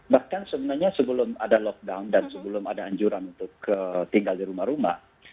bahkan sebenarnya sebelum ada lockdown dan sebelum ada anjuran untuk tinggal di rumah rumah